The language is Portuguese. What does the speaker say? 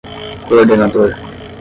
coordenador